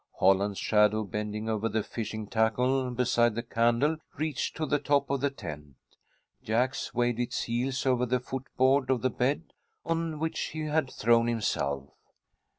Holland's shadow, bending over the fishing tackle beside the candle, reached to the top of the tent. Jack's waved its heels over the foot board of the bed on which he had thrown himself.